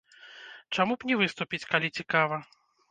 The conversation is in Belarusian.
Чаму б не выступіць, калі цікава?